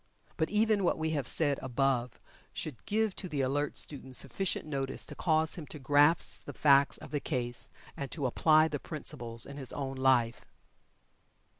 But even what we have said above, should give to the alert student sufficient notice to cause him to grasp the facts of the case, and to apply the principles in his own life.